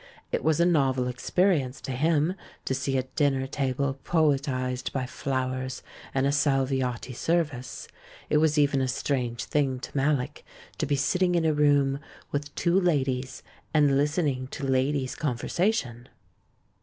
It was a novel experience to him to see a dinner table poetised by flowers and a Salviati service. It was even a strange thing to Mallock tc be sitting in a room with two ladies and listening to ladies' conversation.